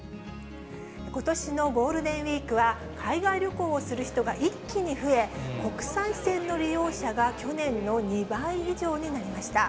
ことしのゴールデンウィークは、海外旅行をする人が一気に増え、国際線の利用者が去年の２倍以上になりました。